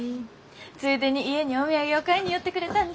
ついでに家にお土産を買いに寄ってくれたんじゃ。